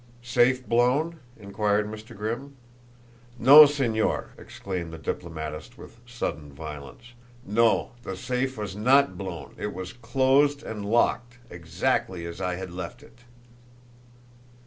"Safe blown?" inquired Mr. Grimm. "No, Señor!" exclaimed the diplomatist with sudden violence. "No, the safe was not blown! It was closed and locked, exactly as I had left it!"